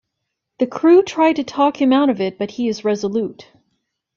The crew try to talk him out of it but he is resolute.